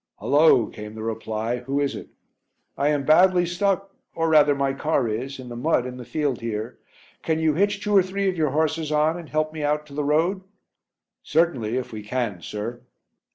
"Hulloa!" came the reply, "who is it?" "I am badly stuck, or rather my car is in the mud in the field here. Can you hitch two or three of your horses on and help me out on to the road?" "Certainly, if we can, sir."